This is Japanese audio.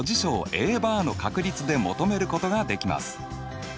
Ａバーの確率で求めることができます。